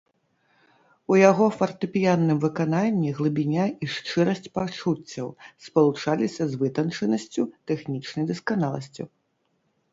У яго фартэпіянным выкананні глыбіня і шчырасць пачуццяў спалучаліся з вытанчанасцю, тэхнічнай дасканаласцю.